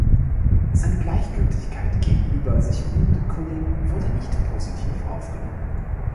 Seine Gleichgültigkeit gegenüber sich mühenden Kollegen wurde nicht positiv aufgenommen.